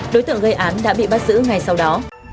đối tượng gây án đã bị bắt giữ ngay sau đó